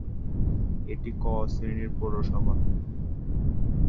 এটি 'ক' শ্রেণীর পৌরসভা।